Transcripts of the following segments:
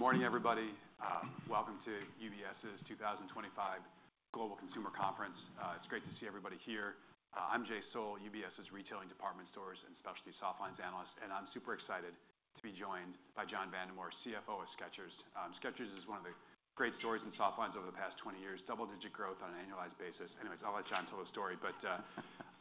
Good morning, everybody. Welcome to UBS's 2025 global consumer conference. It's great to see everybody here. I'm Jay Sole, UBS's retailing department stores and specialty soft lines analyst, and I'm super excited to be joined by John Vandemore, CFO of Skechers. Skechers is one of the great stories in soft lines over the past 20 years: double-digit growth on an annualized basis. Anyways, I'll let John tell the story, but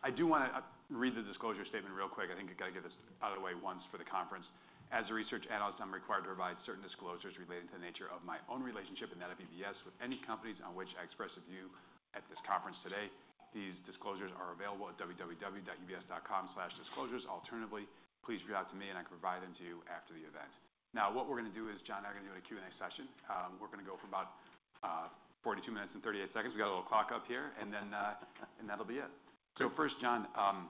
I do want to read the disclosure statement real quick. I think you've got to get this out of the way once for the conference. As a research analyst, I'm required to provide certain disclosures relating to the nature of my own relationship and that of UBS with any companies on which I express a view at this conference today. These disclosures are available at www.ubs.com/disclosures. Alternatively, please reach out to me, and I can provide them to you after the event. Now, what we're going to do is, John and I are going to do a Q&A session. We're going to go for about 42 minutes and 38 seconds. We've got a little clock up here, and then, and that'll be it. First, John, I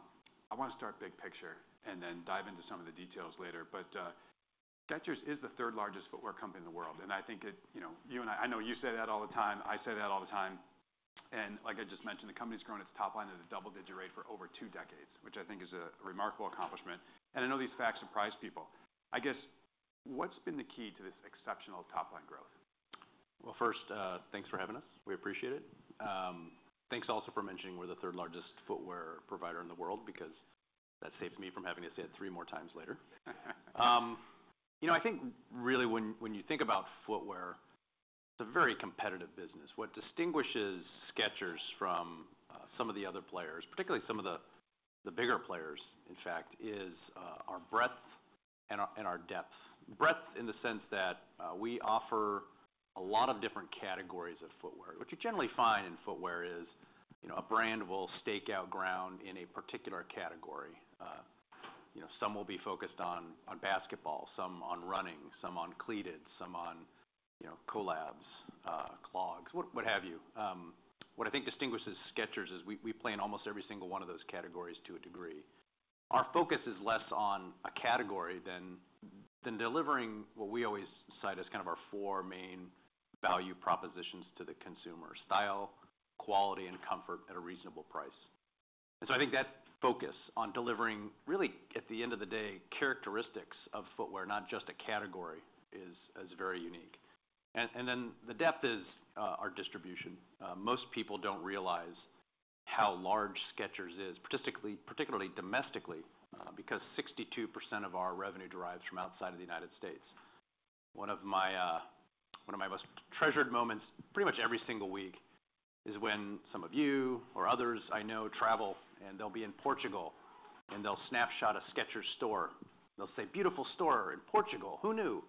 want to start big picture and then dive into some of the details later. Skechers is the third-largest footwear company in the world, and I think it, you know, you and I—I know you say that all the time. I say that all the time. Like I just mentioned, the company's grown its top line at a double-digit rate for over two decades, which I think is a remarkable accomplishment. I know these facts surprise people. I guess, what's been the key to this exceptional top-line growth? First, thanks for having us. We appreciate it. Thanks also for mentioning we're the third-largest footwear provider in the world because that saves me from having to say it 3 more times later. You know, I think really when you think about footwear, it's a very competitive business. What distinguishes Skechers from some of the other players, particularly some of the bigger players, in fact, is our breadth and our depth. Breadth in the sense that we offer a lot of different categories of footwear. What you generally find in footwear is, you know, a brand will stake out ground in a particular category. You know, some will be focused on basketball, some on running, some on cleated, some on, you know, collabs, clogs, what have you. What I think distinguishes Skechers is we play in almost every single one of those categories to a degree. Our focus is less on a category than delivering what we always cite as kind of our four main value propositions to the consumer: style, quality, and comfort at a reasonable price. I think that focus on delivering, really, at the end of the day, characteristics of footwear, not just a category, is very unique. The depth is our distribution. Most people do not realize how large Skechers is, particularly domestically, because 62% of our revenue derives from outside of the United States. One of my most treasured moments, pretty much every single week, is when some of you or others I know travel, and they will be in Portugal, and they will snapshot a Skechers store. They will say, "Beautiful store in Portugal. Who knew?"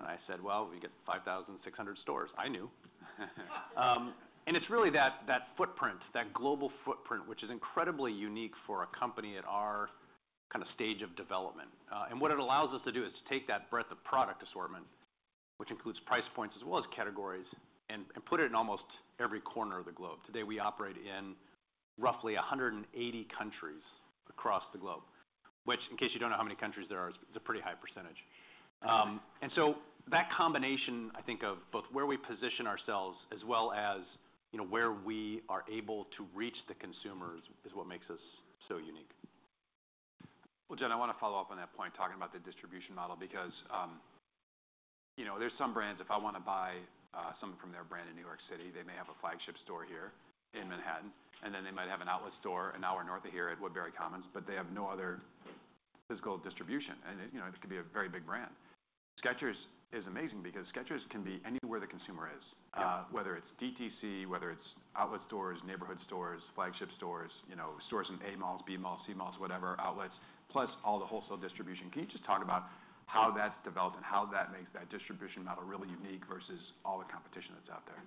I said, "We have 5,600 stores. I knew. It's really that footprint, that global footprint, which is incredibly unique for a company at our kind of stage of development. What it allows us to do is to take that breadth of product assortment, which includes price points as well as categories, and put it in almost every corner of the globe. Today, we operate in roughly 180 countries across the globe, which, in case you don't know how many countries there are, is a pretty high percentage. That combination, I think, of both where we position ourselves as well as where we are able to reach the consumers is what makes us so unique. John, I want to follow up on that point, talking about the distribution model, because, you know, there's some brands, if I want to buy something from their brand in New York City, they may have a flagship store here in Manhattan, and then they might have an outlet store an hour north of here at Woodbury Commons, but they have no other physical distribution. You know, it could be a very big brand. Skechers is amazing because Skechers can be anywhere the consumer is, whether it's DTC, whether it's outlet stores, neighborhood stores, flagship stores, you know, stores in A-malls, B-malls, C-malls, whatever outlets, plus all the wholesale distribution. Can you just talk about how that's developed and how that makes that distribution model really unique versus all the competition that's out there?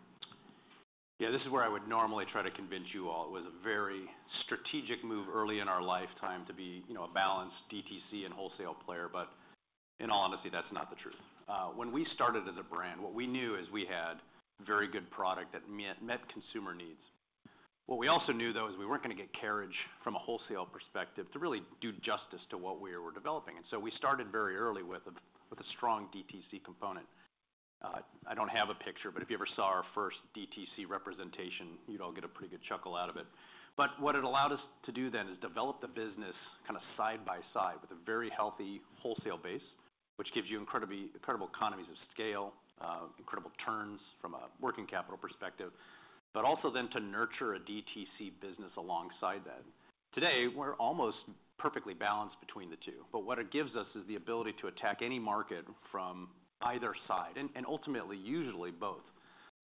Yeah, this is where I would normally try to convince you all. It was a very strategic move early in our lifetime to be a balanced DTC and wholesale player, but in all honesty, that's not the truth. When we started as a brand, what we knew is we had very good product that met consumer needs. What we also knew, though, is we were not going to get carriage from a wholesale perspective to really do justice to what we were developing. We started very early with a strong DTC component. I do not have a picture, but if you ever saw our first DTC representation, you would all get a pretty good chuckle out of it. What it allowed us to do then is develop the business kind of side by side with a very healthy wholesale base, which gives you incredible economies of scale, incredible turns from a working capital perspective, but also then to nurture a DTC business alongside that. Today, we're almost perfectly balanced between the two, but what it gives us is the ability to attack any market from either side, and ultimately, usually both,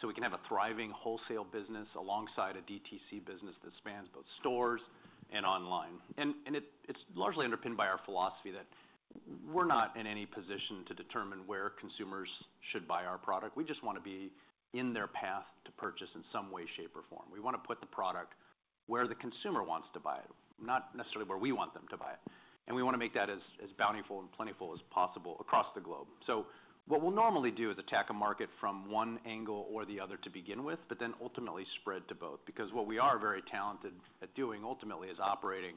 so we can have a thriving wholesale business alongside a DTC business that spans both stores and online. It is largely underpinned by our philosophy that we're not in any position to determine where consumers should buy our product. We just want to be in their path to purchase in some way, shape, or form. We want to put the product where the consumer wants to buy it, not necessarily where we want them to buy it. We want to make that as bountiful and plentiful as possible across the globe. What we'll normally do is attack a market from one angle or the other to begin with, but then ultimately spread to both, because what we are very talented at doing ultimately is operating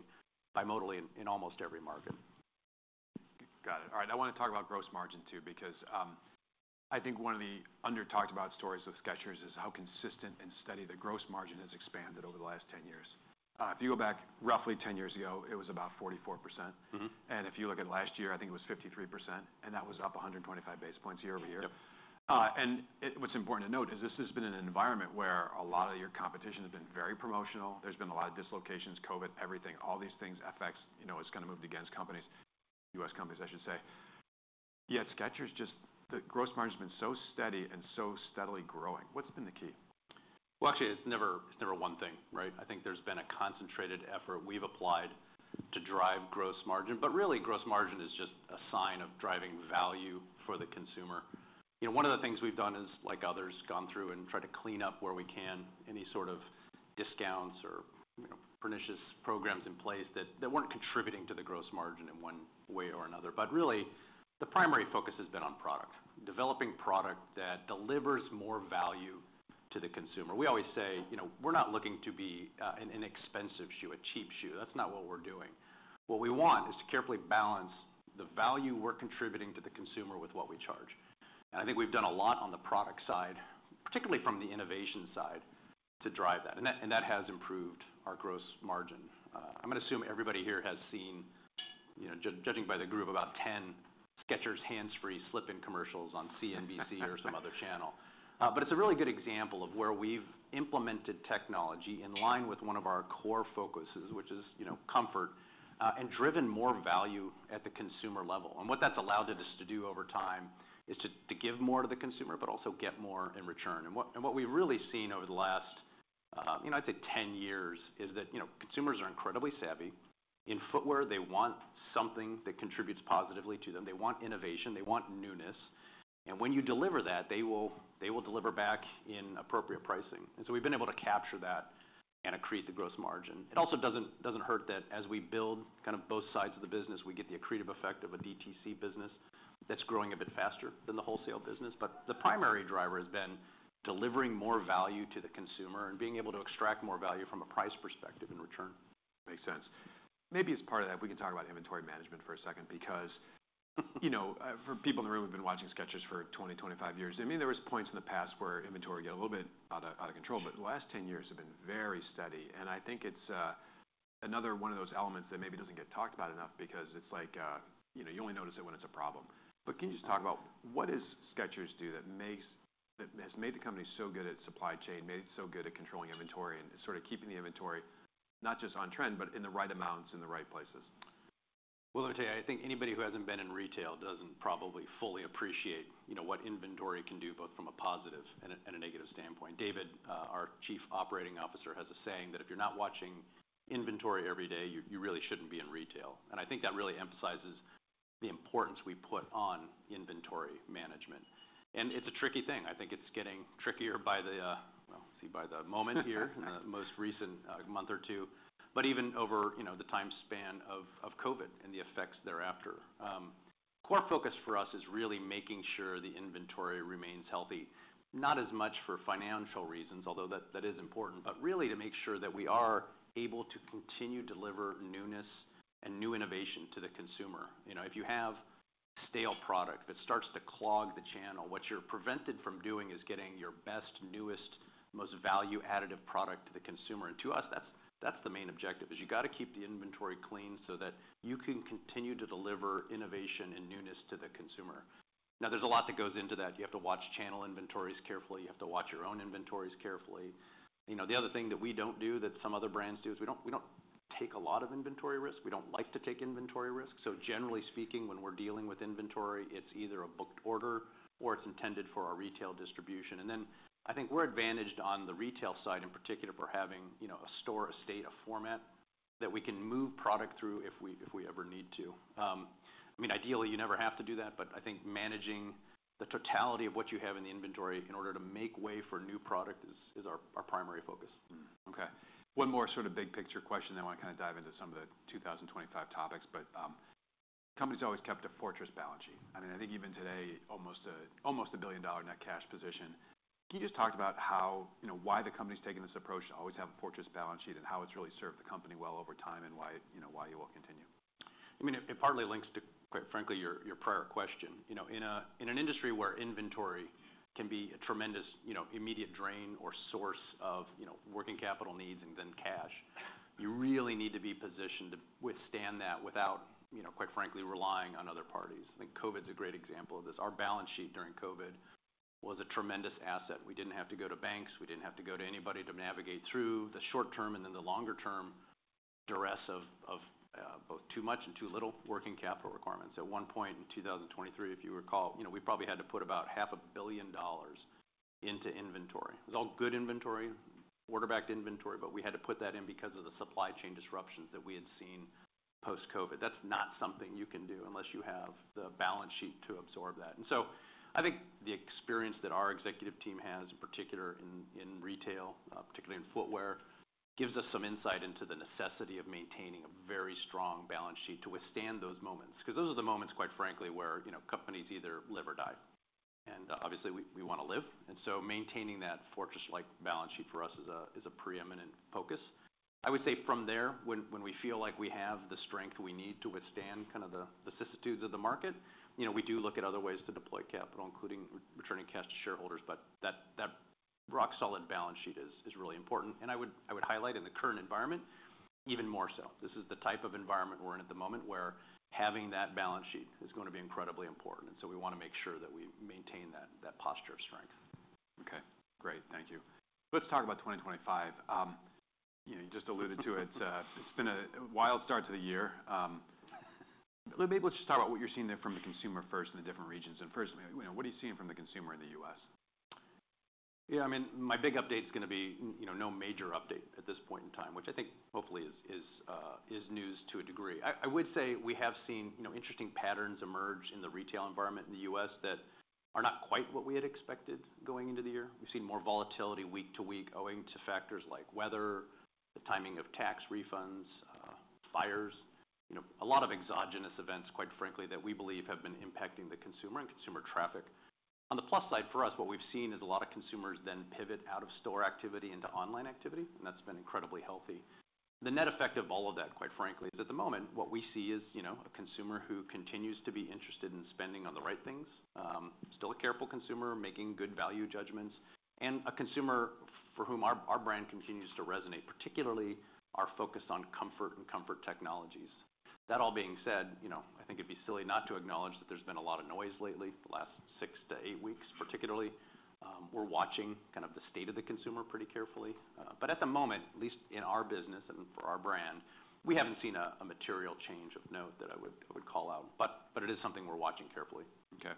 bimodally in almost every market. Got it. All right. I want to talk about gross margin, too, because I think one of the under-talked-about stories of Skechers is how consistent and steady the gross margin has expanded over the last 10 years. If you go back roughly 10 years ago, it was about 44%. If you look at last year, I think it was 53%, and that was up 125 basis points year over year. What's important to note is this has been an environment where a lot of your competition has been very promotional. There's been a lot of dislocations, COVID, everything. All these things affect—you know, it's kind of moved against companies, U.S. companies, I should say. Yet, Skechers, just the gross margin has been so steady and so steadily growing. What's been the key? Actually, it's never one thing, right? I think there's been a concentrated effort we've applied to drive gross margin, but really, gross margin is just a sign of driving value for the consumer. You know, one of the things we've done is, like others, gone through and tried to clean up where we can any sort of discounts or, you know, pernicious programs in place that weren't contributing to the gross margin in one way or another. Really, the primary focus has been on product, developing product that delivers more value to the consumer. We always say, you know, we're not looking to be an inexpensive shoe, a cheap shoe. That's not what we're doing. What we want is to carefully balance the value we're contributing to the consumer with what we charge. I think we've done a lot on the product side, particularly from the innovation side, to drive that. That has improved our gross margin. I'm going to assume everybody here has seen, you know, judging by the group, about 10 Skechers Hands-Free Slip-Ins commercials on CNBC or some other channel. It is a really good example of where we've implemented technology in line with one of our core focuses, which is, you know, comfort, and driven more value at the consumer level. What that's allowed us to do over time is to give more to the consumer, but also get more in return. What we've really seen over the last, you know, I'd say 10 years is that, you know, consumers are incredibly savvy. In footwear, they want something that contributes positively to them. They want innovation. They want newness. When you deliver that, they will deliver back in appropriate pricing. We have been able to capture that and increase the gross margin. It also does not hurt that as we build kind of both sides of the business, we get the accretive effect of a DTC business that is growing a bit faster than the wholesale business. The primary driver has been delivering more value to the consumer and being able to extract more value from a price perspective in return. Makes sense. Maybe as part of that, we can talk about inventory management for a second, because, you know, for people in the room who've been watching Skechers for 20, 25 years, I mean, there were points in the past where inventory got a little bit out of control, but the last 10 years have been very steady. I think it's another one of those elements that maybe doesn't get talked about enough because it's like, you know, you only notice it when it's a problem. Can you just talk about what does Skechers do that has made the company so good at supply chain, made it so good at controlling inventory, and sort of keeping the inventory not just on trend, but in the right amounts in the right places? I think anybody who hasn't been in retail doesn't probably fully appreciate, you know, what inventory can do, both from a positive and a negative standpoint. David, our Chief Operating Officer, has a saying that if you're not watching inventory every day, you really shouldn't be in retail. I think that really emphasizes the importance we put on inventory management. It's a tricky thing. I think it's getting trickier by the moment here in the most recent month or two, but even over, you know, the time span of COVID and the effects thereafter. Core focus for us is really making sure the inventory remains healthy, not as much for financial reasons, although that is important, but really to make sure that we are able to continue to deliver newness and new innovation to the consumer. You know, if you have stale product that starts to clog the channel, what you're prevented from doing is getting your best, newest, most value-additive product to the consumer. To us, that's the main objective, is you've got to keep the inventory clean so that you can continue to deliver innovation and newness to the consumer. Now, there's a lot that goes into that. You have to watch channel inventories carefully. You have to watch your own inventories carefully. You know, the other thing that we don't do that some other brands do is we don't take a lot of inventory risk. We don't like to take inventory risk. Generally speaking, when we're dealing with inventory, it's either a booked order or it's intended for our retail distribution. I think we're advantaged on the retail side in particular for having, you know, a store, a state, a format that we can move product through if we ever need to. I mean, ideally, you never have to do that, but I think managing the totality of what you have in the inventory in order to make way for new product is our primary focus. Okay. One more sort of big-picture question. I want to kind of dive into some of the 2025 topics, but the company's always kept a fortress balance sheet. I mean, I think even today, almost a billion-dollar net cash position. Can you just talk about how, you know, why the company's taken this approach to always have a fortress balance sheet and how it's really served the company well over time and why you will continue? I mean, it partly links to, quite frankly, your prior question. You know, in an industry where inventory can be a tremendous, you know, immediate drain or source of, you know, working capital needs and then cash, you really need to be positioned to withstand that without, you know, quite frankly, relying on other parties. I think COVID's a great example of this. Our balance sheet during COVID was a tremendous asset. We didn't have to go to banks. We didn't have to go to anybody to navigate through the short-term and then the longer-term duress of both too much and too little working capital requirements. At one point in 2023, if you recall, you know, we probably had to put about $500,000,000 into inventory. It was all good inventory, order-backed inventory, but we had to put that in because of the supply chain disruptions that we had seen post-COVID. That's not something you can do unless you have the balance sheet to absorb that. I think the experience that our executive team has, in particular in retail, particularly in footwear, gives us some insight into the necessity of maintaining a very strong balance sheet to withstand those moments, because those are the moments, quite frankly, where, you know, companies either live or die. Obviously, we want to live. Maintaining that fortress-like balance sheet for us is a preeminent focus. I would say from there, when we feel like we have the strength we need to withstand kind of the vicissitudes of the market, you know, we do look at other ways to deploy capital, including returning cash to shareholders, but that rock-solid balance sheet is really important. I would highlight in the current environment, even more so. This is the type of environment we're in at the moment where having that balance sheet is going to be incredibly important. We want to make sure that we maintain that posture of strength. Okay. Great. Thank you. Let's talk about 2025. You know, you just alluded to it. It's been a wild start to the year. Maybe let's just talk about what you're seeing there from the consumer first in the different regions. First, you know, what are you seeing from the consumer in the U.S.? Yeah, I mean, my big update's going to be, you know, no major update at this point in time, which I think hopefully is news to a degree. I would say we have seen, you know, interesting patterns emerge in the retail environment in the U.S. that are not quite what we had expected going into the year. We've seen more volatility week to week owing to factors like weather, the timing of tax refunds, fires, you know, a lot of exogenous events, quite frankly, that we believe have been impacting the consumer and consumer traffic. On the plus side for us, what we've seen is a lot of consumers then pivot out of store activity into online activity, and that's been incredibly healthy. The net effect of all of that, quite frankly, is at the moment, what we see is, you know, a consumer who continues to be interested in spending on the right things, still a careful consumer making good value judgments, and a consumer for whom our brand continues to resonate, particularly our focus on comfort and comfort technologies. That all being said, you know, I think it'd be silly not to acknowledge that there's been a lot of noise lately, the last six to eight weeks, particularly. We're watching kind of the state of the consumer pretty carefully. At the moment, at least in our business and for our brand, we haven't seen a material change of note that I would call out, but it is something we're watching carefully. Okay.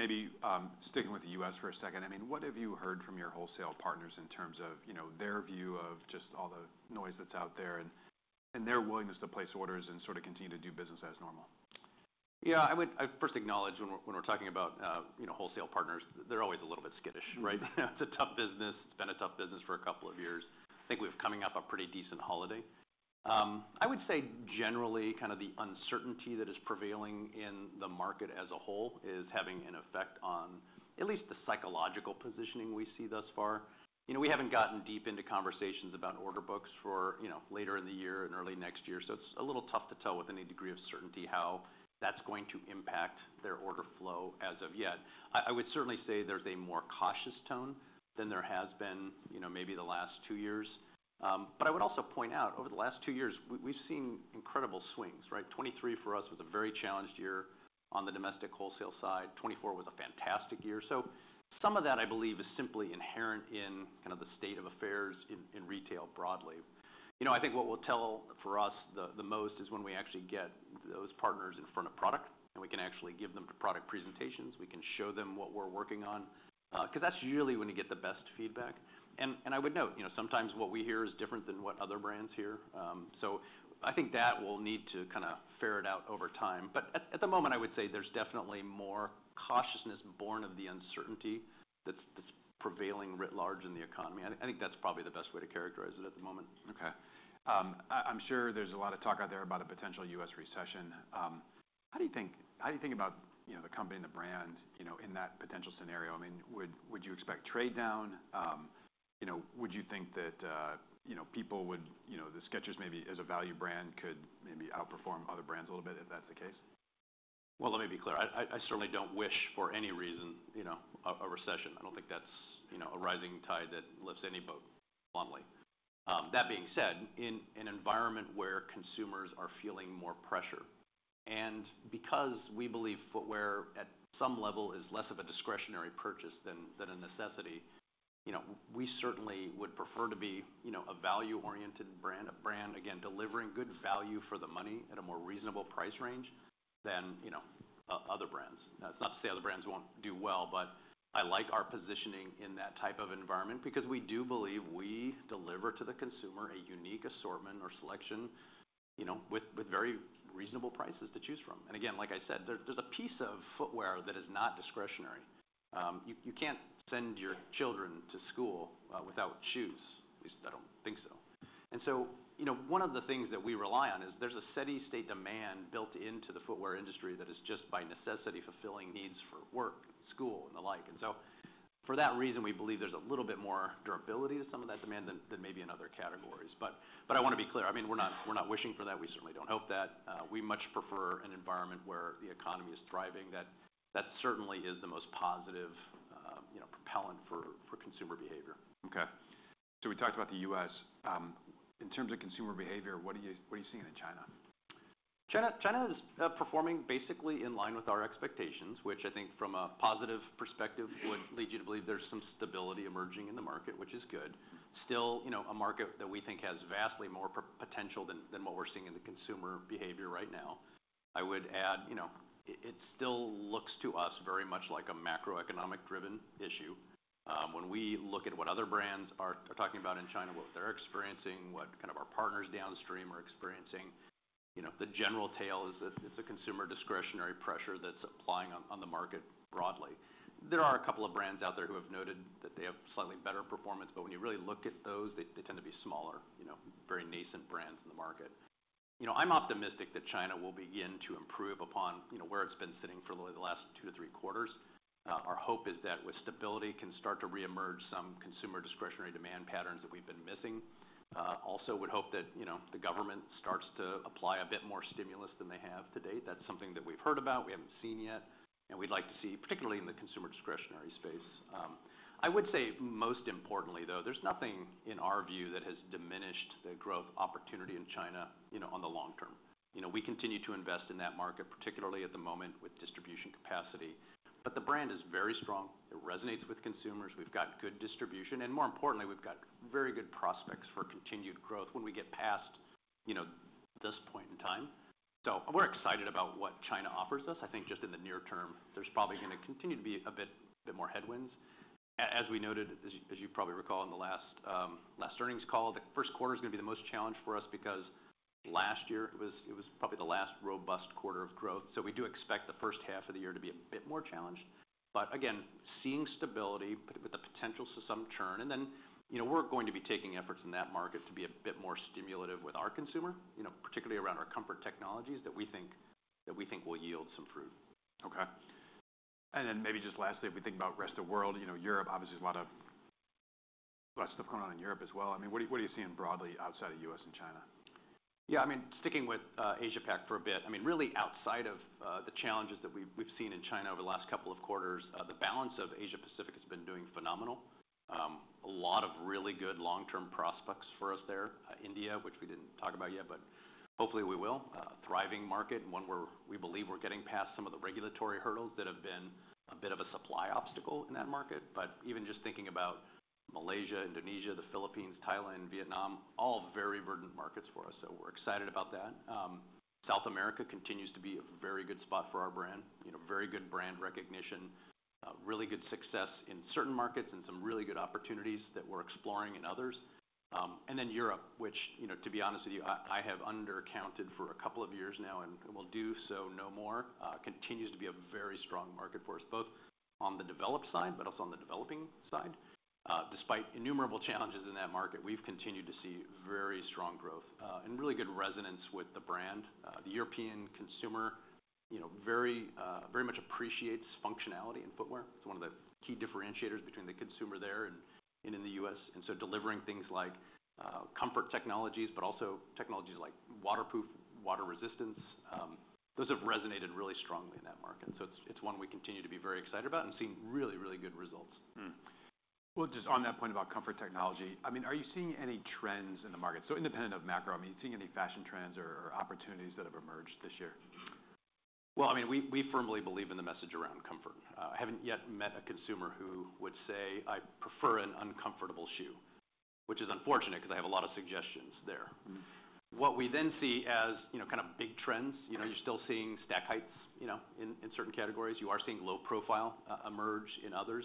Maybe sticking with the U.S. for a second, I mean, what have you heard from your wholesale partners in terms of, you know, their view of just all the noise that's out there and their willingness to place orders and sort of continue to do business as normal? Yeah, I would first acknowledge when we're talking about, you know, wholesale partners, they're always a little bit skittish, right? It's a tough business. It's been a tough business for a couple of years. I think we have coming up a pretty decent holiday. I would say generally kind of the uncertainty that is prevailing in the market as a whole is having an effect on at least the psychological positioning we see thus far. You know, we haven't gotten deep into conversations about order books for, you know, later in the year and early next year. It's a little tough to tell with any degree of certainty how that's going to impact their order flow as of yet. I would certainly say there's a more cautious tone than there has been, you know, maybe the last two years. I would also point out over the last 2 years, we've seen incredible swings, right? 2023 for us was a very challenged year on the domestic wholesale side. 2024 was a fantastic year. Some of that, I believe, is simply inherent in kind of the state of affairs in retail broadly. You know, I think what will tell for us the most is when we actually get those partners in front of product and we can actually give them product presentations. We can show them what we're working on, because that's usually when you get the best feedback. I would note, you know, sometimes what we hear is different than what other brands hear. I think that will need to kind of ferret out over time. At the moment, I would say there's definitely more cautiousness borne of the uncertainty that's prevailing writ large in the economy. I think that's probably the best way to characterize it at the moment. Okay. I'm sure there's a lot of talk out there about a potential U.S. recession. How do you think about, you know, the company and the brand, you know, in that potential scenario? I mean, would you expect trade down? You know, would you think that, you know, people would, you know, the Skechers maybe as a value brand could maybe outperform other brands a little bit if that's the case? Let me be clear. I certainly do not wish for any reason, you know, a recession. I do not think that is, you know, a rising tide that lifts any boat bluntly. That being said, in an environment where consumers are feeling more pressure, and because we believe footwear at some level is less of a discretionary purchase than a necessity, you know, we certainly would prefer to be, you know, a value-oriented brand, a brand, again, delivering good value for the money at a more reasonable price range than, you know, other brands. It is not to say other brands will not do well, but I like our positioning in that type of environment because we do believe we deliver to the consumer a unique assortment or selection, you know, with very reasonable prices to choose from. Like I said, there is a piece of footwear that is not discretionary. You can't send your children to school without shoes. At least I don't think so. And so, you know, one of the things that we rely on is there's a steady-state demand built into the footwear industry that is just by necessity fulfilling needs for work, school, and the like. And so for that reason, we believe there's a little bit more durability to some of that demand than maybe in other categories. But I want to be clear. I mean, we're not wishing for that. We certainly don't hope that. We much prefer an environment where the economy is thriving. That certainly is the most positive, you know, propellant for consumer behavior. Okay. We talked about the U.S. In terms of consumer behavior, what are you seeing in China? China is performing basically in line with our expectations, which I think from a positive perspective would lead you to believe there's some stability emerging in the market, which is good. Still, you know, a market that we think has vastly more potential than what we're seeing in the consumer behavior right now. I would add, you know, it still looks to us very much like a macroeconomic-driven issue. When we look at what other brands are talking about in China, what they're experiencing, what kind of our partners downstream are experiencing, you know, the general tale is that it's a consumer discretionary pressure that's applying on the market broadly. There are a couple of brands out there who have noted that they have slightly better performance, but when you really look at those, they tend to be smaller, you know, very nascent brands in the market. You know, I'm optimistic that China will begin to improve upon, you know, where it's been sitting for the last two to three quarters. Our hope is that with stability can start to reemerge some consumer discretionary demand patterns that we've been missing. Also would hope that, you know, the government starts to apply a bit more stimulus than they have to date. That's something that we've heard about. We haven't seen yet. We'd like to see, particularly in the consumer discretionary space. I would say most importantly, though, there's nothing in our view that has diminished the growth opportunity in China, you know, on the long term. You know, we continue to invest in that market, particularly at the moment with distribution capacity. The brand is very strong. It resonates with consumers. We've got good distribution. More importantly, we've got very good prospects for continued growth when we get past, you know, this point in time. We are excited about what China offers us. I think just in the near term, there's probably going to continue to be a bit more headwinds. As we noted, as you probably recall in the last earnings call, the Q1 is going to be the most challenged for us because last year it was probably the last robust quarter of growth. We do expect the first half of the year to be a bit more challenged. Again, seeing stability with the potential to some churn. You know, we are going to be taking efforts in that market to be a bit more stimulative with our consumer, you know, particularly around our comfort technologies that we think will yield some fruit. Okay. And then maybe just lastly, if we think about the rest of the world, you know, Europe, obviously a lot of stuff going on in Europe as well. I mean, what are you seeing broadly outside of the U.S. and China? Yeah, I mean, sticking with Asia-Pac for a bit, I mean, really outside of the challenges that we've seen in China over the last couple of quarters, the balance of Asia-Pacific has been doing phenomenal. A lot of really good long-term prospects for us there. India, which we didn't talk about yet, but hopefully we will. A thriving market, one where we believe we're getting past some of the regulatory hurdles that have been a bit of a supply obstacle in that market. Even just thinking about Malaysia, Indonesia, the Philippines, Thailand, Vietnam, all very verdant markets for us. We are excited about that. South America continues to be a very good spot for our brand, you know, very good brand recognition, really good success in certain markets and some really good opportunities that we're exploring in others. Europe, which, you know, to be honest with you, I have undercounted for a couple of years now and will do so no more, continues to be a very strong market for us, both on the developed side but also on the developing side. Despite innumerable challenges in that market, we've continued to see very strong growth and really good resonance with the brand. The European consumer, you know, very much appreciates functionality in footwear. It's one of the key differentiators between the consumer there and in the U.S. Delivering things like comfort technologies, but also technologies like waterproof, water resistance, those have resonated really strongly in that market. It is one we continue to be very excited about and seeing really, really good results. Just on that point about comfort technology, I mean, are you seeing any trends in the market? I mean, are you seeing any fashion trends or opportunities that have emerged this year? I mean, we firmly believe in the message around comfort. I haven't yet met a consumer who would say, "I prefer an uncomfortable shoe," which is unfortunate because I have a lot of suggestions there. What we then see as, you know, kind of big trends, you know, you're still seeing stack heights, you know, in certain categories. You are seeing low profile emerge in others.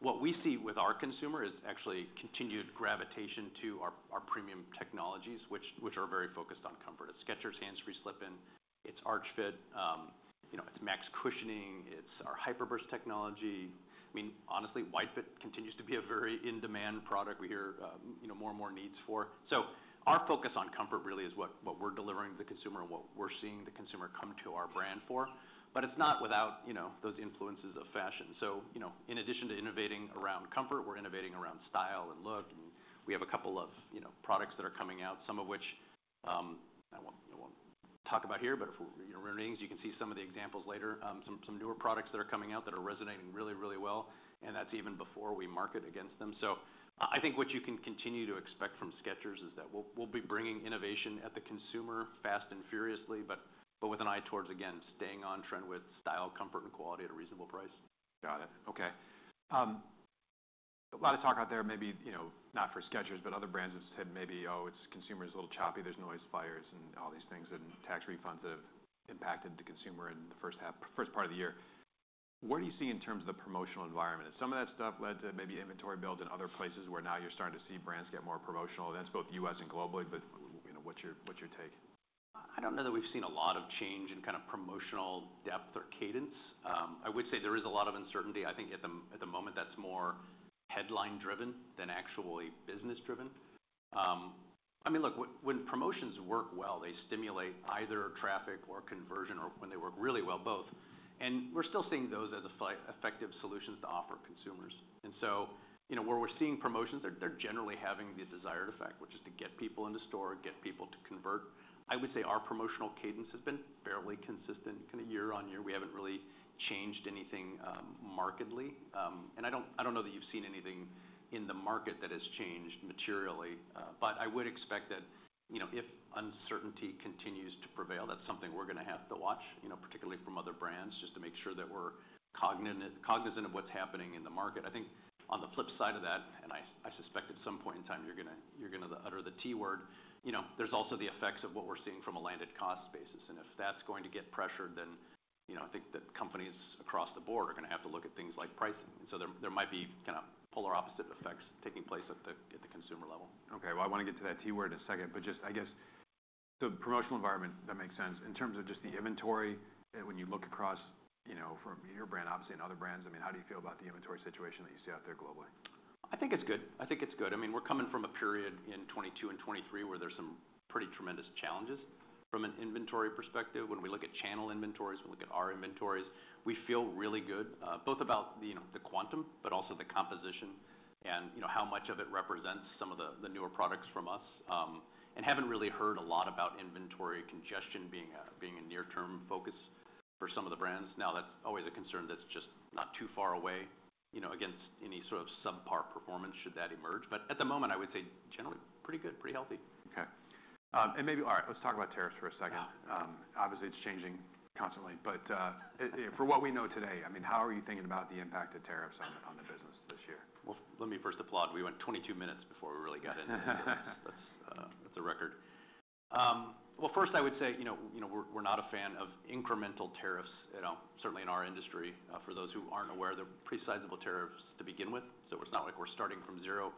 What we see with our consumer is actually continued gravitation to our premium technologies, which are very focused on comfort. It's Skechers Hands-Free Slip-Ins. It's Arch Fit. You know, it's Max Cushioning. It's our Hyper Burst technology. I mean, honestly, Wide Fit continues to be a very in-demand product we hear, you know, more and more needs for. Our focus on comfort really is what we're delivering to the consumer and what we're seeing the consumer come to our brand for. It is not without, you know, those influences of fashion. You know, in addition to innovating around comfort, we're innovating around style and look. We have a couple of, you know, products that are coming out, some of which I won't talk about here, but if we're in readings, you can see some of the examples later, some newer products that are coming out that are resonating really, really well. That is even before we market against them. I think what you can continue to expect from Skechers is that we'll be bringing innovation at the consumer fast and furiously, but with an eye towards, again, staying on trend with style, comfort, and quality at a reasonable price. Got it. Okay. A lot of talk out there, maybe, you know, not for Skechers, but other brands have said maybe, "Oh, it's consumers a little choppy. There's noise fires and all these things and tax refunds that have impacted the consumer in the first half, first part of the year." Where do you see in terms of the promotional environment? Has some of that stuff led to maybe inventory build in other places where now you're starting to see brands get more promotional events, both U.S. and globally? You know, what's your take? I don't know that we've seen a lot of change in kind of promotional depth or cadence. I would say there is a lot of uncertainty. I think at the moment that's more headline-driven than actually business-driven. I mean, look, when promotions work well, they stimulate either traffic or conversion or when they work really well, both. And we're still seeing those as effective solutions to offer consumers. You know, where we're seeing promotions, they're generally having the desired effect, which is to get people into store, get people to convert. I would say our promotional cadence has been fairly consistent kind of year on year. We haven't really changed anything markedly. I don't know that you've seen anything in the market that has changed materially. I would expect that, you know, if uncertainty continues to prevail, that's something we're going to have to watch, you know, particularly from other brands just to make sure that we're cognizant of what's happening in the market. I think on the flip side of that, and I suspect at some point in time you're going to utter the T word, you know, there's also the effects of what we're seeing from a landed cost basis. If that's going to get pressured, then, you know, I think that companies across the board are going to have to look at things like pricing. There might be kind of polar opposite effects taking place at the consumer level. Okay. I want to get to that T word in a second, but just I guess the promotional environment, that makes sense. In terms of just the inventory, when you look across, you know, from your brand, obviously in other brands, I mean, how do you feel about the inventory situation that you see out there globally? I think it's good. I think it's good. I mean, we're coming from a period in 2022 and 2023 where there's some pretty tremendous challenges from an inventory perspective. When we look at channel inventories, we look at our inventories, we feel really good both about the quantum, but also the composition and, you know, how much of it represents some of the newer products from us. Haven't really heard a lot about inventory congestion being a near-term focus for some of the brands. Now, that's always a concern that's just not too far away, you know, against any sort of subpar performance should that emerge. At the moment, I would say generally pretty good, pretty healthy. Okay. Maybe, all right, let's talk about tariffs for a second. Obviously, it's changing constantly. For what we know today, I mean, how are you thinking about the impact of tariffs on the business this year? Let me first applaud. We went 22 minutes before we really got into the tariffs. That is a record. First, I would say, you know, you know, we are not a fan of incremental tariffs, you know, certainly in our industry. For those who are not aware, there are pretty sizable tariffs to begin with. It is not like we are starting from zero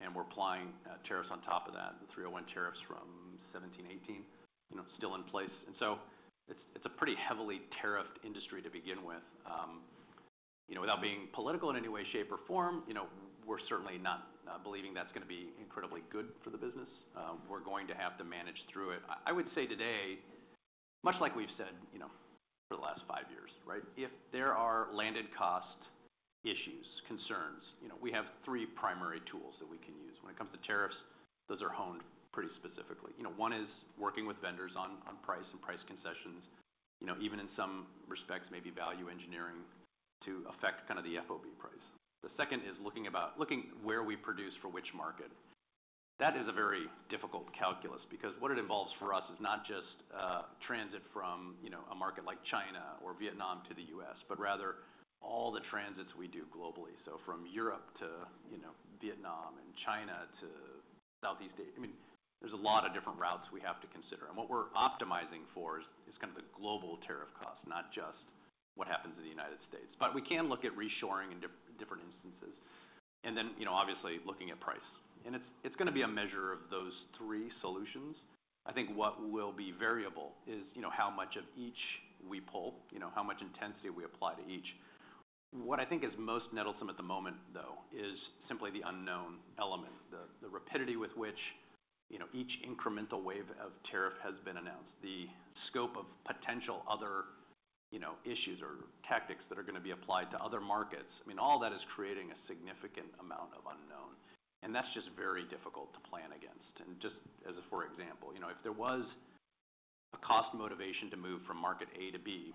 and we are applying tariffs on top of that, the 301 tariffs from 2017, 2018, you know, still in place. It is a pretty heavily tariffed industry to begin with. You know, without being political in any way, shape, or form, you know, we are certainly not believing that is going to be incredibly good for the business. We are going to have to manage through it. I would say today, much like we have said, you know, for the last five years, right? If there are landed cost issues, concerns, you know, we have three primary tools that we can use. When it comes to tariffs, those are honed pretty specifically. You know, one is working with vendors on price and price concessions, you know, even in some respects, maybe value engineering to affect kind of the FOB price. The second is looking where we produce for which market. That is a very difficult calculus because what it involves for us is not just transit from, you know, a market like China or Vietnam to the U.S., but rather all the transits we do globally. From Europe to, you know, Vietnam and China to Southeast Asia. I mean, there are a lot of different routes we have to consider. What we are optimizing for is kind of the global tariff cost, not just what happens in the United States. We can look at reshoring in different instances. And then, you know, obviously looking at price. It is going to be a measure of those three solutions. I think what will be variable is, you know, how much of each we pull, you know, how much intensity we apply to each. What I think is most nettlesome at the moment, though, is simply the unknown element, the rapidity with which, you know, each incremental wave of tariff has been announced, the scope of potential other, you know, issues or tactics that are going to be applied to other markets. I mean, all that is creating a significant amount of unknown. That is just very difficult to plan against. Just as a for example, you know, if there was a cost motivation to move from market A to B,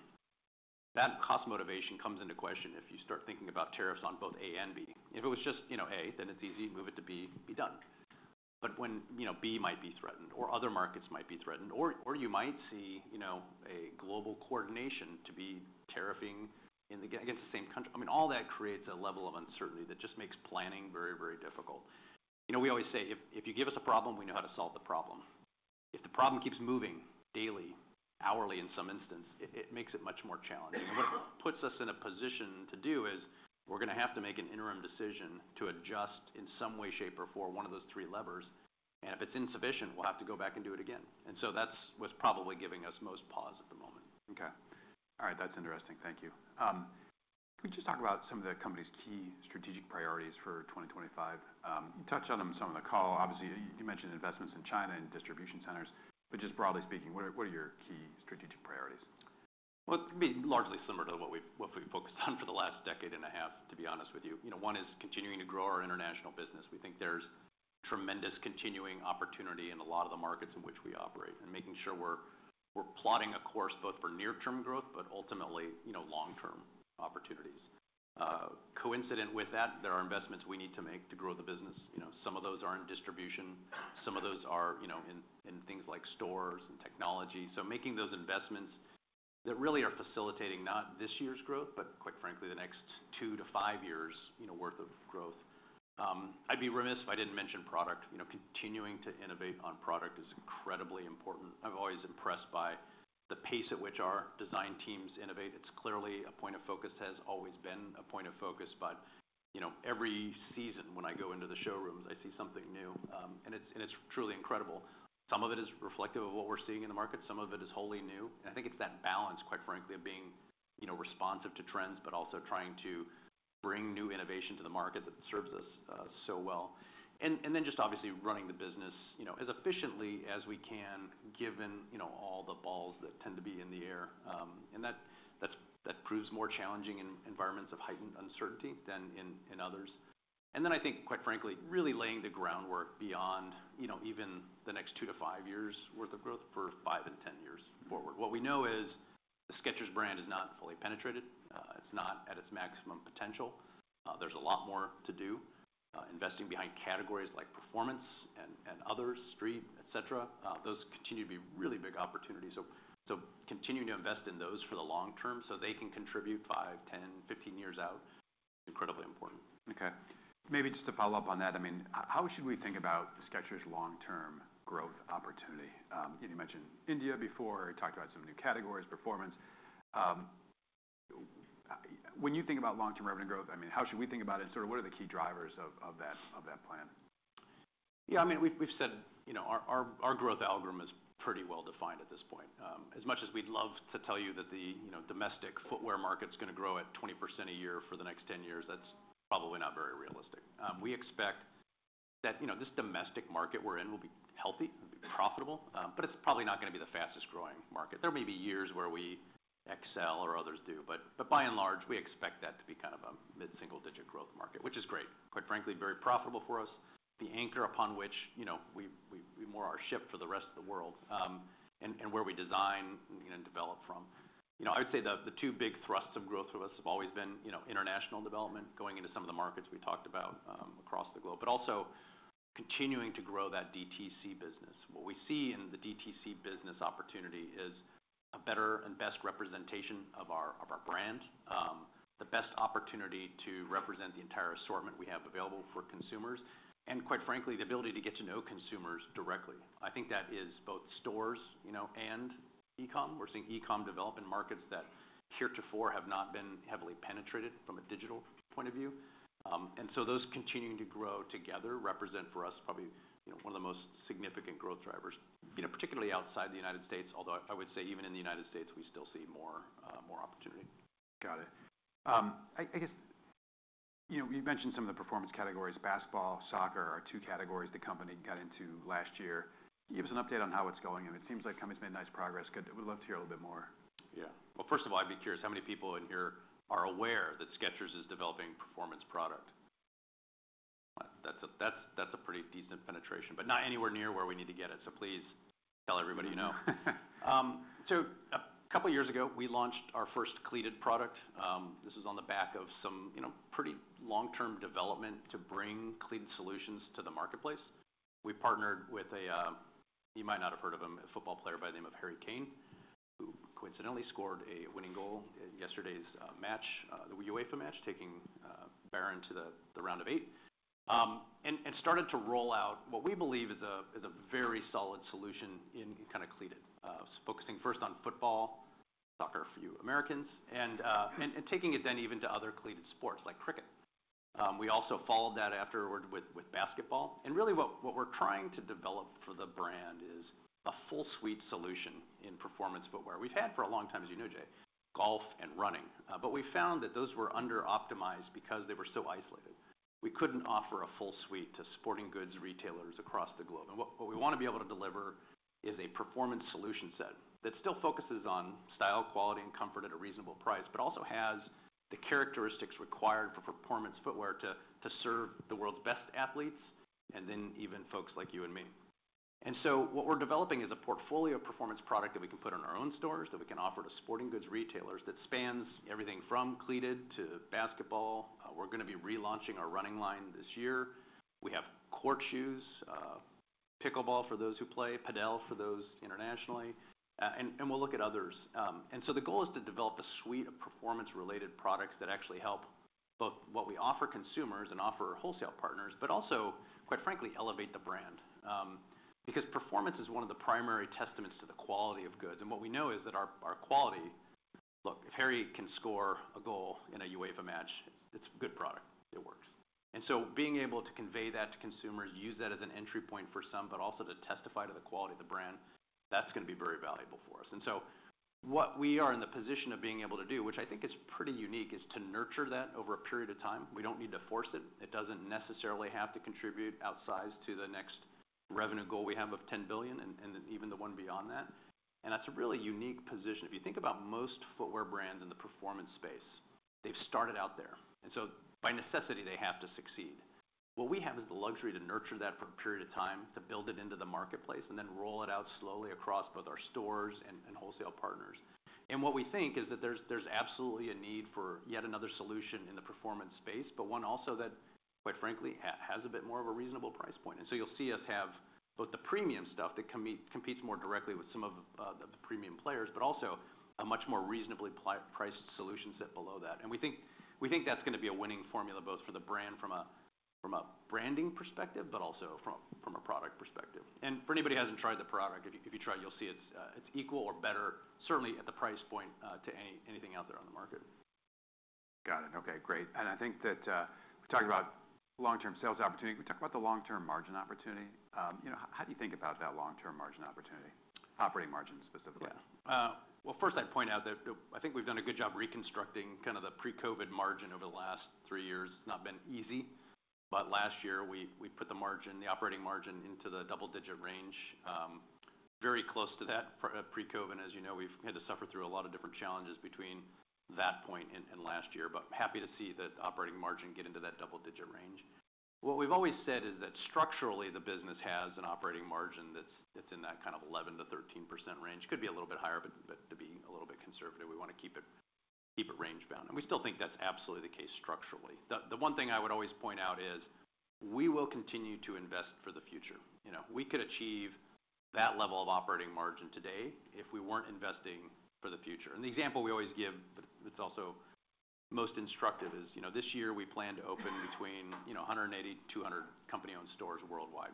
that cost motivation comes into question if you start thinking about tariffs on both A and B. If it was just, you know, A, then it's easy, move it to B, be done. When, you know, B might be threatened or other markets might be threatened, or you might see, you know, a global coordination to be tariffing against the same country. I mean, all that creates a level of uncertainty that just makes planning very, very difficult. You know, we always say if you give us a problem, we know how to solve the problem. If the problem keeps moving daily, hourly in some instance, it makes it much more challenging. What it puts us in a position to do is we're going to have to make an interim decision to adjust in some way, shape, or form one of those 3 levers. If it's insufficient, we'll have to go back and do it again. That's what's probably giving us most pause at the moment. Okay. All right. That's interesting. Thank you. Can we just talk about some of the company's key strategic priorities for 2025? You touched on them some of the call. Obviously, you mentioned investments in China and distribution centers. Just broadly speaking, what are your key strategic priorities? It'd be largely similar to what we've focused on for the last decade and a half, to be honest with you. You know, one is continuing to grow our international business. We think there's tremendous continuing opportunity in a lot of the markets in which we operate and making sure we're plotting a course both for near-term growth, but ultimately, you know, long-term opportunities. Coincident with that, there are investments we need to make to grow the business. You know, some of those are in distribution. Some of those are, you know, in things like stores and technology. Making those investments that really are facilitating not this year's growth, but quite frankly, the next two to five years, you know, worth of growth. I'd be remiss if I didn't mention product. You know, continuing to innovate on product is incredibly important. I'm always impressed by the pace at which our design teams innovate. It's clearly a point of focus, has always been a point of focus. You know, every season when I go into the showrooms, I see something new. It's truly incredible. Some of it is reflective of what we're seeing in the market. Some of it is wholly new. I think it's that balance, quite frankly, of being, you know, responsive to trends, but also trying to bring new innovation to the market that serves us so well. Obviously, running the business, you know, as efficiently as we can, given, you know, all the balls that tend to be in the air. That proves more challenging in environments of heightened uncertainty than in others. I think, quite frankly, really laying the groundwork beyond, you know, even the next two to five years' worth of growth for five and ten years forward. What we know is the Skechers brand is not fully penetrated. It's not at its maximum potential. There's a lot more to do. Investing behind categories like performance and others, Street, et cetera, those continue to be really big opportunities. Continuing to invest in those for the long term so they can contribute five, ten, fifteen years out is incredibly important. Okay. Maybe just to follow up on that, I mean, how should we think about the Skechers' long-term growth opportunity? You mentioned India before. You talked about some new categories, performance. When you think about long-term revenue growth, I mean, how should we think about it? And sort of what are the key drivers of that plan? Yeah. I mean, we've said, you know, our growth algorithm is pretty well defined at this point. As much as we'd love to tell you that the, you know, domestic footwear market's going to grow at 20% a year for the next ten years, that's probably not very realistic. We expect that, you know, this domestic market we're in will be healthy, will be profitable, but it's probably not going to be the fastest growing market. There may be years where we excel or others do. By and large, we expect that to be kind of a mid-single-digit growth market, which is great. Quite frankly, very profitable for us. The anchor upon which, you know, we moor our ship for the rest of the world and where we design, you know, and develop from. You know, I would say the two big thrusts of growth for us have always been, you know, international development going into some of the markets we talked about across the globe, but also continuing to grow that DTC business. What we see in the DTC business opportunity is a better and best representation of our brand, the best opportunity to represent the entire assortment we have available for consumers, and quite frankly, the ability to get to know consumers directly. I think that is both stores, you know, and e-com. We're seeing e-com develop in markets that heretofore have not been heavily penetrated from a digital point of view. Those continuing to grow together represent for us probably, you know, one of the most significant growth drivers, you know, particularly outside the United States, although I would say even in the United States, we still see more opportunity. Got it. I guess, you know, you mentioned some of the performance categories. Basketball, soccer are two categories the company got into last year. Give us an update on how it's going. It seems like company's made nice progress. I would love to hear a little bit more. Yeah. First of all, I'd be curious how many people in here are aware that Skechers is developing performance product. That's a pretty decent penetration, but not anywhere near where we need to get it. Please tell everybody you know. A couple of years ago, we launched our first cleated product. This was on the back of some, you know, pretty long-term development to bring cleated solutions to the marketplace. We partnered with a, you might not have heard of him, a football player by the name of Harry Kane, who coincidentally scored a winning goal in yesterday's match, the UEFA match, taking Bayern to the round of eight and started to roll out what we believe is a very solid solution in kind of cleated, focusing first on football, soccer for you Americans, and taking it then even to other cleated sports like cricket. We also followed that afterward with basketball. What we're trying to develop for the brand is a full suite solution in performance footwear. We've had for a long time, as you know, Jay, golf and running. We found that those were under-optimized because they were so isolated. We couldn't offer a full suite to sporting goods retailers across the globe. What we want to be able to deliver is a performance solution set that still focuses on style, quality, and comfort at a reasonable price, but also has the characteristics required for performance footwear to serve the world's best athletes and then even folks like you and me. What we're developing is a portfolio of performance product that we can put in our own stores that we can offer to sporting goods retailers that spans everything from cleated to basketball. We're going to be relaunching our running line this year. We have court shoes, pickleball for those who play, padel for those internationally, and we'll look at others. The goal is to develop a suite of performance-related products that actually help both what we offer consumers and offer wholesale partners, but also, quite frankly, elevate the brand. Because performance is one of the primary testaments to the quality of goods. What we know is that our quality, look, if Harry can score a goal in a UEFA match, it's a good product. It works. Being able to convey that to consumers, use that as an entry point for some, but also to testify to the quality of the brand, that's going to be very valuable for us. What we are in the position of being able to do, which I think is pretty unique, is to nurture that over a period of time. We do not need to force it. It does not necessarily have to contribute outsized to the next revenue goal we have of $10 billion and even the one beyond that. That is a really unique position. If you think about most footwear brands in the performance space, they have started out there. By necessity, they have to succeed. What we have is the luxury to nurture that for a period of time, to build it into the marketplace, and then roll it out slowly across both our stores and wholesale partners. What we think is that there's absolutely a need for yet another solution in the performance space, but one also that, quite frankly, has a bit more of a reasonable price point. You'll see us have both the premium stuff that competes more directly with some of the premium players, but also a much more reasonably priced solution set below that. We think that's going to be a winning formula both for the brand from a branding perspective, but also from a product perspective. For anybody who hasn't tried the product, if you try, you'll see it's equal or better, certainly at the price point to anything out there on the market. Got it. Okay. Great. I think that we talked about long-term sales opportunity. We talked about the long-term margin opportunity. You know, how do you think about that long-term margin opportunity? Operating margin specifically. Yeah. First, I'd point out that I think we've done a good job reconstructing kind of the pre-COVID margin over the last three years. It's not been easy. Last year, we put the margin, the operating margin into the double-digit range, very close to that. Pre-COVID, as you know, we've had to suffer through a lot of different challenges between that point and last year. Happy to see that operating margin get into that double-digit range. What we've always said is that structurally, the business has an operating margin that's in that kind of 11% to 13% range. Could be a little bit higher, but to be a little bit conservative, we want to keep it range-bound. We still think that's absolutely the case structurally. The one thing I would always point out is we will continue to invest for the future. You know, we could achieve that level of operating margin today if we were not investing for the future. The example we always give, but it is also most instructive, is, you know, this year we plan to open between, you know, 180 to 200 company-owned stores worldwide.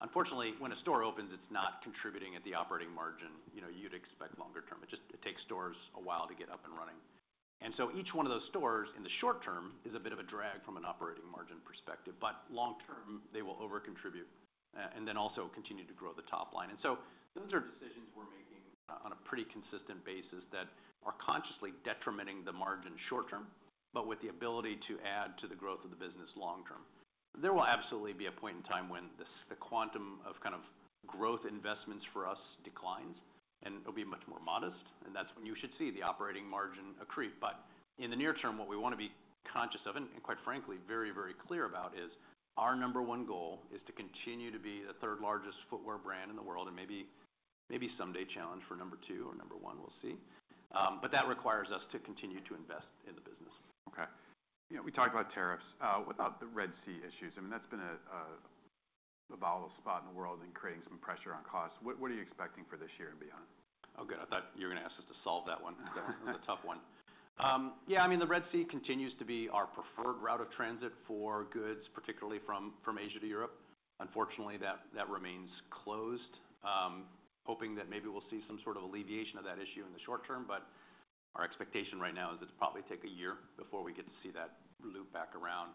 Unfortunately, when a store opens, it is not contributing at the operating margin. You know, you would expect longer term. It just takes stores a while to get up and running. Each one of those stores in the short term is a bit of a drag from an operating margin perspective. Long term, they will over-contribute and then also continue to grow the top line. Those are decisions we are making on a pretty consistent basis that are consciously detrimenting the margin short term, but with the ability to add to the growth of the business long term. There will absolutely be a point in time when the quantum of kind of growth investments for us declines, and it'll be much more modest. That is when you should see the operating margin increase. In the near term, what we want to be conscious of and, quite frankly, very, very clear about is our number one goal is to continue to be the third largest footwear brand in the world and maybe someday challenge for number two or number one. We'll see. That requires us to continue to invest in the business. Okay. You know, we talked about tariffs without the Red Sea issues. I mean, that's been a volatile spot in the world and creating some pressure on costs. What are you expecting for this year and beyond? Oh, good. I thought you were going to ask us to solve that one. That was a tough one. Yeah. I mean, the Red Sea continues to be our preferred route of transit for goods, particularly from Asia to Europe. Unfortunately, that remains closed. Hoping that maybe we'll see some sort of alleviation of that issue in the short term. Our expectation right now is it'll probably take a year before we get to see that loop back around.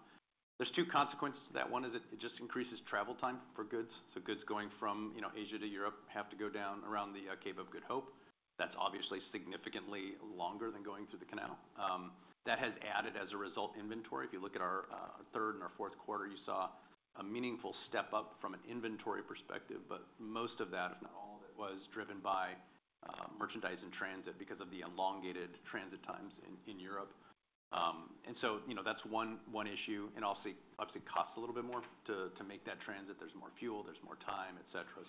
There are two consequences to that. One is it just increases travel time for goods. Goods going from, you know, Asia to Europe have to go down around the Cape of Good Hope. That's obviously significantly longer than going through the canal. That has added as a result inventory. If you look at our third and our fourth quarter, you saw a meaningful step up from an inventory perspective. Most of that, if not all of it, was driven by merchandise in transit because of the elongated transit times in Europe. You know, that's one issue. Obviously, it costs a little bit more to make that transit. There's more fuel, there's more time, et cetera.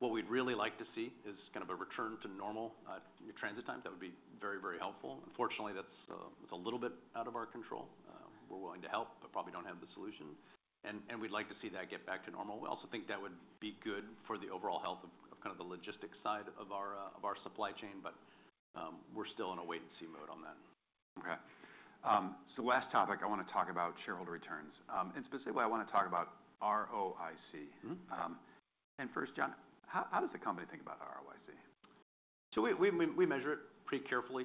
What we'd really like to see is kind of a return to normal transit times. That would be very, very helpful. Unfortunately, that's a little bit out of our control. We're willing to help, but probably don't have the solution. We'd like to see that get back to normal. We also think that would be good for the overall health of kind of the logistics side of our supply chain. We're still in a wait-and-see mode on that. Okay. Last topic, I want to talk about shareholder returns. Specifically, I want to talk about ROIC. First, John, how does the company think about ROIC? We measure it pretty carefully.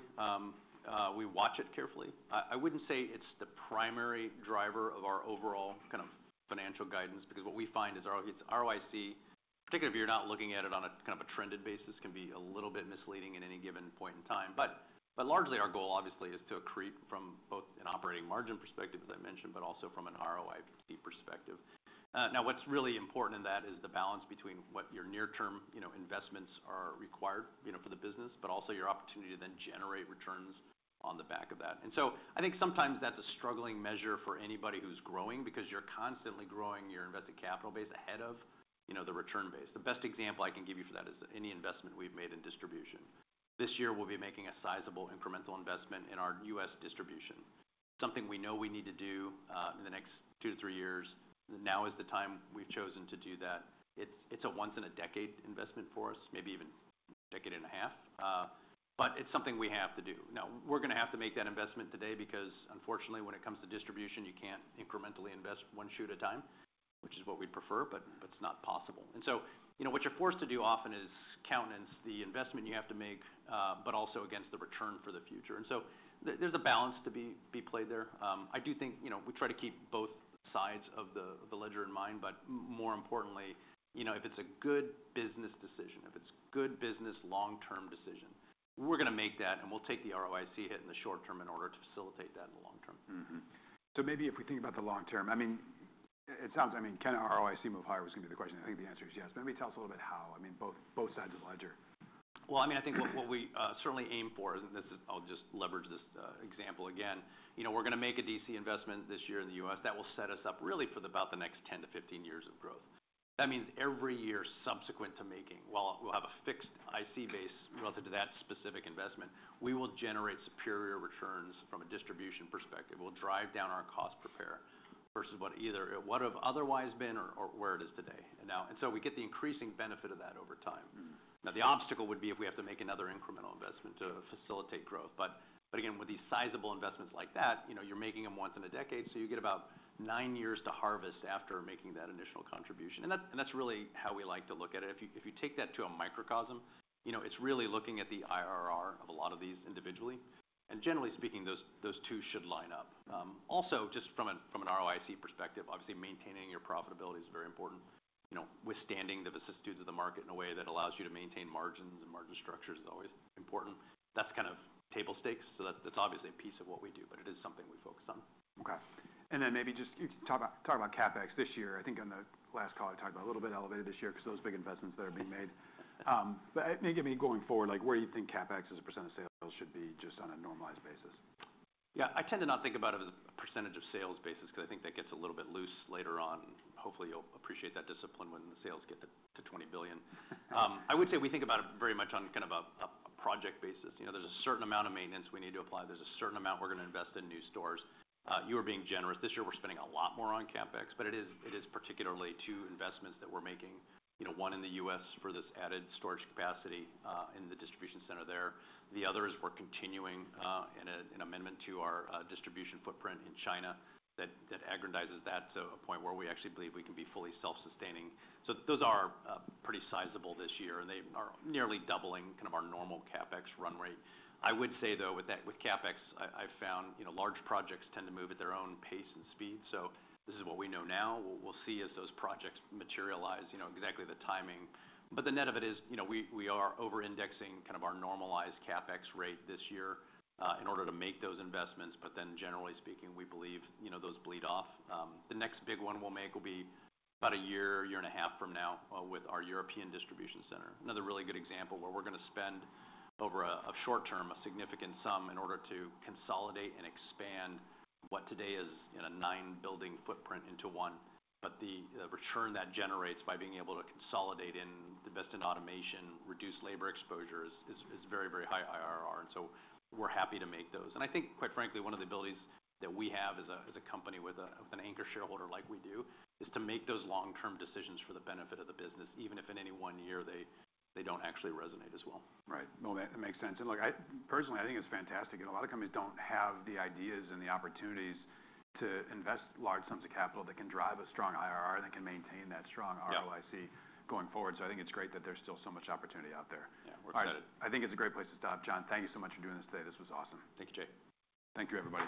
We watch it carefully. I wouldn't say it's the primary driver of our overall kind of financial guidance because what we find is ROIC, particularly if you're not looking at it on a kind of a trended basis, can be a little bit misleading at any given point in time. Largely, our goal obviously is to accrete from both an operating margin perspective, as I mentioned, but also from an ROIC perspective. Now, what's really important in that is the balance between what your near-term investments are required for the business, but also your opportunity to then generate returns on the back of that. I think sometimes that's a struggling measure for anybody who's growing because you're constantly growing your invested capital base ahead of the return base. The best example I can give you for that is any investment we've made in distribution. This year, we'll be making a sizable incremental investment in our U.S. distribution. It's something we know we need to do in the next two to three years. Now is the time we've chosen to do that. It's a once-in-a-decade investment for us, maybe even a decade and a half. But it's something we have to do. Now, we're going to have to make that investment today because unfortunately, when it comes to distribution, you can't incrementally invest one shoe at a time, which is what we'd prefer, but it's not possible. You know, what you're forced to do often is countenance the investment you have to make, but also against the return for the future. There is a balance to be played there. I do think, you know, we try to keep both sides of the ledger in mind, but more importantly, you know, if it's a good business decision, if it's a good business long-term decision, we're going to make that and we'll take the ROIC hit in the short term in order to facilitate that in the long term. Maybe if we think about the long term, I mean, it sounds, I mean, can ROIC move higher was going to be the question. I think the answer is yes. But maybe tell us a little bit how. I mean, both sides of the ledger. I mean, I think what we certainly aim for, and this is, I'll just leverage this example again, you know, we're going to make a DC investment this year in the U.S. That will set us up really for about the next 10 to 15 years of growth. That means every year subsequent to making, while we'll have a fixed IC base relative to that specific investment, we will generate superior returns from a distribution perspective. We'll drive down our cost per pair versus what either what have otherwise been or where it is today. You know, we get the increasing benefit of that over time. Now, the obstacle would be if we have to make another incremental investment to facilitate growth. Again, with these sizable investments like that, you know, you're making them once in a decade. You get about nine years to harvest after making that initial contribution. That is really how we like to look at it. If you take that to a microcosm, you know, it is really looking at the IRR of a lot of these individually. Generally speaking, those two should line up. Also, just from an ROIC perspective, obviously maintaining your profitability is very important. You know, withstanding the vicissitudes of the market in a way that allows you to maintain margins and margin structures is always important. That is kind of table stakes. That is obviously a piece of what we do, but it is something we focus on. Okay. Maybe just talk about CapEx this year. I think on the last call, I talked about a little bit elevated this year because those big investments that are being made. Maybe going forward, like where do you think CapEx as a percent of sales should be just on a normalized basis? Yeah. I tend to not think about it as a percentage of sales basis because I think that gets a little bit loose later on. Hopefully, you'll appreciate that discipline when the sales get to $20 billion. I would say we think about it very much on kind of a project basis. You know, there's a certain amount of maintenance we need to apply. There's a certain amount we're going to invest in new stores. You were being generous. This year, we're spending a lot more on CapEx. It is particularly two investments that we're making. You know, one in the U.S. for this added storage capacity in the distribution center there. The other is we're continuing in an amendment to our distribution footprint in China that aggrandizes that to a point where we actually believe we can be fully self-sustaining. Those are pretty sizable this year. They are nearly doubling kind of our normal CapEx run rate. I would say though, with CapEx, I found, you know, large projects tend to move at their own pace and speed. This is what we know now. What we'll see is those projects materialize, you know, exactly the timing. The net of it is, you know, we are over-indexing kind of our normalized CapEx rate this year in order to make those investments. Generally speaking, we believe, you know, those bleed off. The next big one we'll make will be about a year, year and a half from now with our European distribution center. Another really good example where we're going to spend over a short term a significant sum in order to consolidate and expand what today is in a nine-building footprint into one. The return that generates by being able to consolidate in the investment automation, reduce labor exposure is very, very high IRR. We are happy to make those. I think, quite frankly, one of the abilities that we have as a company with an anchor shareholder like we do is to make those long-term decisions for the benefit of the business, even if in any one year they do not actually resonate as well. Right. That makes sense. Look, personally, I think it's fantastic. A lot of companies don't have the ideas and the opportunities to invest large sums of capital that can drive a strong IRR and that can maintain that strong ROIC going forward. I think it's great that there's still so much opportunity out there. Yeah. We're excited. I think it's a great place to stop. John, thank you so much for doing this today. This was awesome. Thank you, Jay. Thank you, everybody.